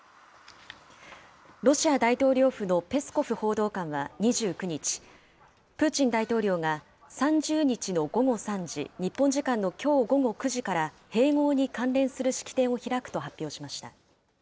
ロシア大統領府のペスコフ報道官は２９日、プーチン大統領が３０日の午後３時、日本時間のきょう午後９時から併合に関連する式典を開くと発表しました。